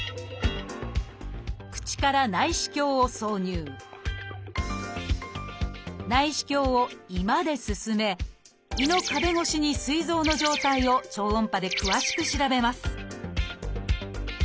口から内視鏡を挿入内視鏡を胃まで進め胃の壁越しにすい臓の状態を超音波で詳しく調べます